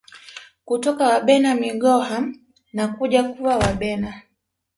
Kutoka Wabena Migoha na kuja kuwa Wabena